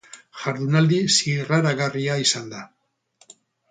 Jardunaldi zirraragarria izan da.